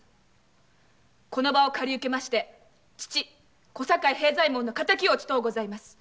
この場を借りうけまして父・小堺兵左衛門の敵を討ちとうございます。